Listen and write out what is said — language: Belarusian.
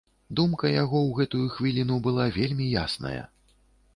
Думка яго ў гэтую хвіліну была вельмі ясная.